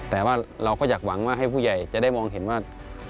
แต่ว่าเราก็อยากหวังว่าให้ผู้ใหญ่จะได้มองเห็นว่า